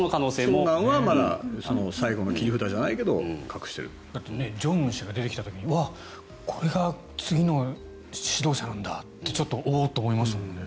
長男は最後の切り札じゃないけど正恩氏が出てきた時にうわっ、これが次の指導者なんだってちょっと、おおっと思いましたもんね。